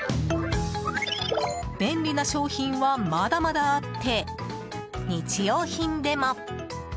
便利な商品はまだまだあって日用品でも。